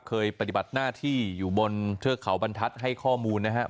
เคยปฏิบัติหน้าที่อยู่บนเทือกเขาบรรทัศน์ให้ข้อมูลนะครับ